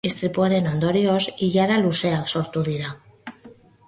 Istripuaren ondorioz, ilara luzeak sortu dira.